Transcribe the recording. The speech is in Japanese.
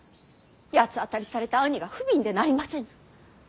八つ当たりされた兄が不憫でなりません。